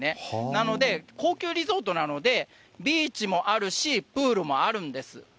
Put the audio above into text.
なので、高級リゾートなので、ビーチもあるし、プールもあるんです。